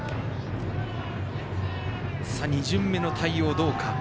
２巡目の対応どうか。